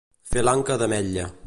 Fer l'anca d'ametlla.